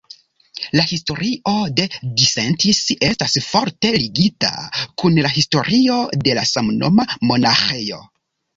La historio de Disentis estas forte ligita kun la historio de la samnoma monaĥejo.